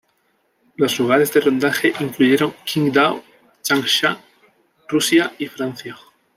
Los lugares de rodaje incluyeron Qingdao, Changsha, Rusia y Francia.